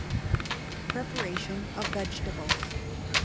] 1O88. Preparation of Vegetables.